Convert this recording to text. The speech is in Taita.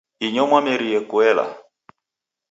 Inyo mwameria kuela